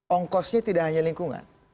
ongkosnya tidak hanya lingkungan